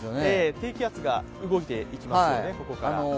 低気圧が動いていきますよね、ここから。